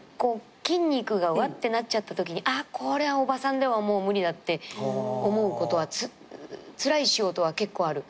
筋肉がわってなっちゃったときにあっこれはおばさんではもう無理だって思うことはつらい仕事は結構ある。